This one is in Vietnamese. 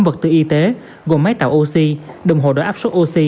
vật tư y tế gồm máy tạo oxy đồng hồ đội áp sốt oxy